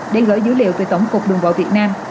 để gửi dữ liệu về tổng cục đường võ việt nam